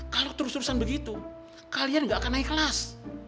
kalau terus terusan begitu kalian gak akan naik kelas